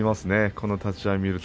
この立ち合い見ると。